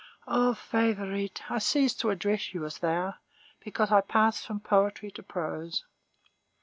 O Favourite, I cease to address you as 'thou,' because I pass from poetry to prose.